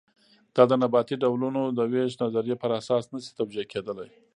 دا د نباتي ډولونو د وېش نظریې پر اساس نه شي توجیه کېدلی.